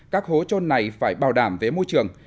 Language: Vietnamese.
các hố trôn này phải bảo đảm về môi trường